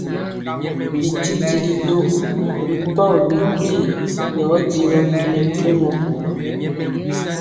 Bitili du ri pɔgi bikwii yɔ digɔ bile mpumɔ.